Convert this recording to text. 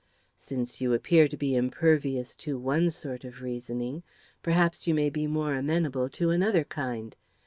"Since you appear to be impervious to one sort of reasoning, perhaps you may be more amenable to another kind.